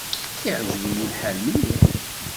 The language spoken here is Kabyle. Iεǧeb-iyi lḥal mliḥ.